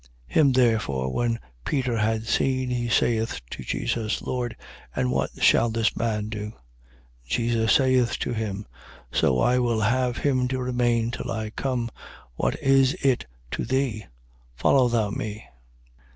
21:21. Him therefore when Peter had seen, he saith to Jesus: Lord, and what shall this man do? 21:22. Jesus saith to him: So I will have him to remain till I come, what is it to thee? Follow thou me.